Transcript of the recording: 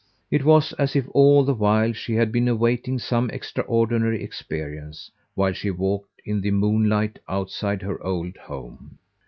It was as if all the while she had been awaiting some extraordinary experience, while she walked in the moonlight outside her old home.